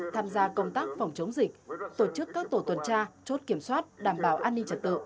tham gia công tác phòng chống dịch tổ chức các tổ tuần tra chốt kiểm soát đảm bảo an ninh trật tự